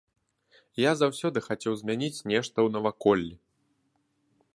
Я заўсёды хацеў змяніць нешта ў наваколлі.